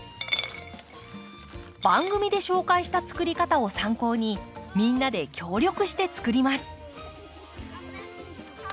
番組で紹介した作り方を参考にみんなで協力して作ります。